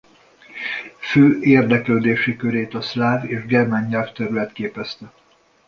Fő érdeklődési körét a szláv és a germán nyelvterület képezte.